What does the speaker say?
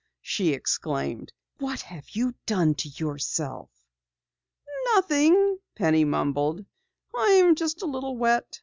she exclaimed. "What have you done to yourself?" "Nothing," Penny mumbled. "I'm just a little wet.